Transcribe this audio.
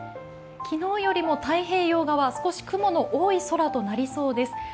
昨日よりも太平洋側、少し雲の多い空となりそうです。